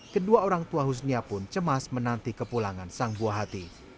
kedua orang tua husnia pun cemas menanti kepulangan sang buah hati